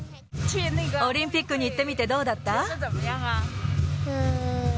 オリンピックに行ってみて、どうだった？